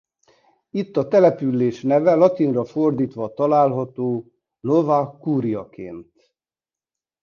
Itt a település neve latinra fordítva található Nova Curiaként.